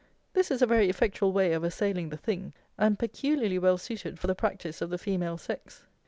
This is a very effectual way of assailing the THING, and peculiarly well suited for the practice of the female sex.